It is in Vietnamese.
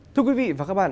thưa quý vị và các bạn